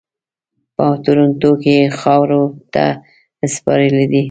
په ټورنټو کې یې خاورو ته سپارلی دی.